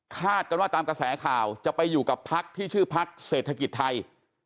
กันว่าตามกระแสข่าวจะไปอยู่กับพักที่ชื่อพักเศรษฐกิจไทย